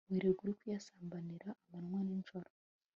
wirirwa uri kuyasambanira amanwa nijoro